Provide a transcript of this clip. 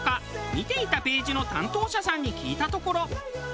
見ていたページの担当者さんに聞いたところ。